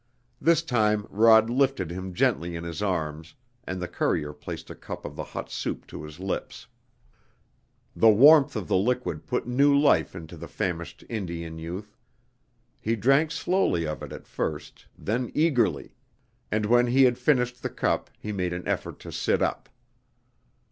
This time Rod lifted him gently in his arms and the courier placed a cup of the hot soup to his lips. The warmth of the liquid put new life into the famished Indian youth. He drank slowly of it at first, then eagerly, and when he had finished the cup he made an effort to sit up.